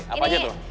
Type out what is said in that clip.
apa aja tuh